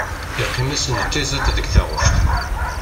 Yeqqim-asen d tiẓẓit deg taɣect.